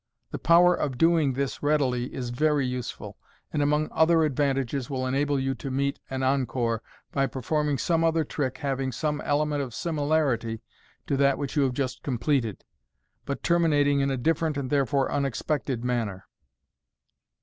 The power of doing i lis readily is very useful, and among other advantages will enable /on to meet an en come by performing some other trick having some element of similarity to that which you have just completed, but ter minating in a different and therefore unexpected manner.